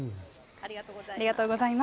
ありがとうございます。